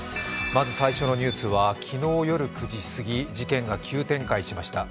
まず最初のニュースは昨日夜９時すぎ、事件急展開しました。